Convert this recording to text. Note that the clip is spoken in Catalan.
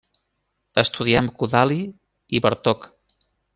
Estudià amb Kodály i Bartók.